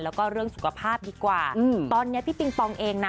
แล้วก็เรื่องสุขภาพดีกว่าตอนนี้พี่ปิงปองเองนะ